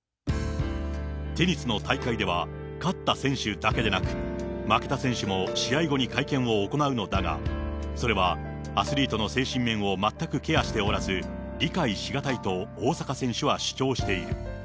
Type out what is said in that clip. テニスの大会では、勝った選手だけでなく、負けた選手も試合後に会見を行うのだが、それはアスリートの精神面を全くケアしておらず、理解し難いと大坂選手は主張している。